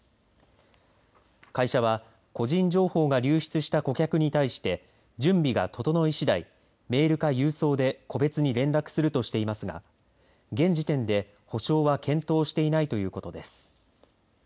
会社は、個人情報が流出した顧客に対して準備が整い次第メールか郵送で個別に連絡するとしていますが現時点で補償は検討していないということです。